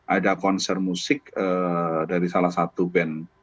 ada konser musik dari salah satu band